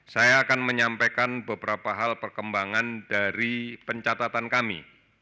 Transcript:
saya akan menyampaikan beberapa hal perkembangan dari pencatatan kami